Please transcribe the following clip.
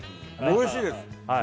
おいしいです